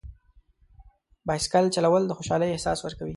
بایسکل چلول د خوشحالۍ احساس ورکوي.